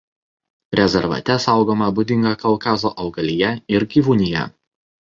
Rezervate saugoma būdinga Kaukazo augalija ir gyvūnija.